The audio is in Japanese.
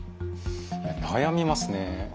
いや悩みますね。